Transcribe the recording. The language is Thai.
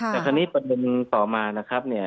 แต่คราวนี้ประเด็นต่อมานะครับเนี่ย